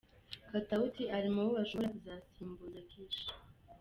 Katawuti ari mu bo bashobora kuzasimbuza Kishi.